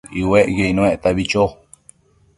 iuecquio icnuectabi cho